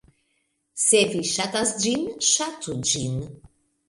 Se vi ŝatas ĝin, ŝatu ĝin.